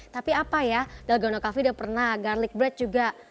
tapi apa ya dalgono coffee udah pernah garlic bread juga